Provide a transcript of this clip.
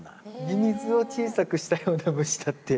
ミミズを小さくしたような虫だって。